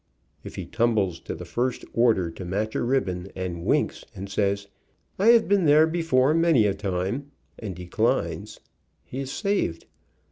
If he tumbles to the first order to match a ribbon, and winks, and says, "I have been there before, many a time," and declines, he is saved.